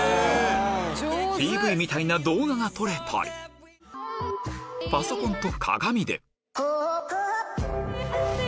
ＰＶ みたいな動画が撮れたりパソコンと鏡で